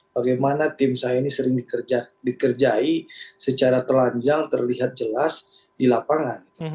bagaimana tim saya ini sering dikerjai secara telanjang terlihat jelas di lapangan